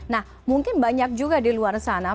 nah mungkin banyak juga di luar sana